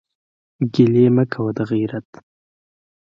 ګلې مه کوه دغېرت.